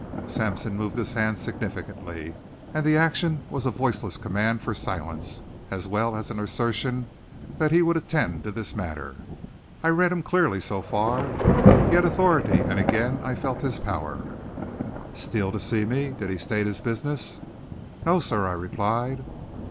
Sampson moved his hand significantly and the action was a voiceless command for silence as well as an assertion that he would attend to this matter. I read him clearly so far. He had authority, and again I felt his power. "Steele to see me. Did he state his business?" "No, sir." I replied.